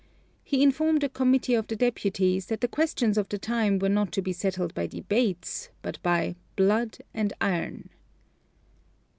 He informed a committee of the Deputies that the questions of the time were not to be settled by debates, but by "blood and iron."